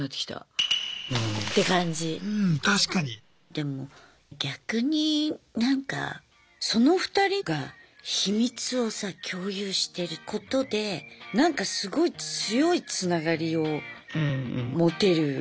でも逆になんかその２人が秘密をさ共有してることでなんかすごい強いつながりを持てる気もする普通の夫婦より。